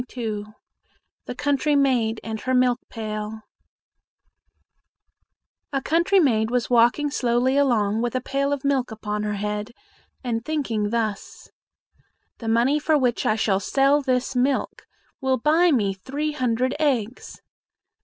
THE COUNTRY MAID AND HER MILKPAIL A country maid was walking slowly along with a pail of milk upon her head, and thinking thus: "The money for which I shall sell this milk will buy me three hundred eggs.